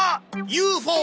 ＵＦＯ！